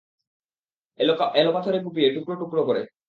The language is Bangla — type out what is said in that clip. এলোপাথাড়ি কুপিয়ে টুকরো টুকরো করে।